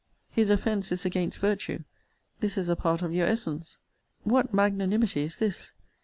His offence is against virtue: this is a part of your essence. What magnanimity is this!